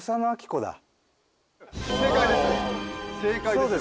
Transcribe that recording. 正解です。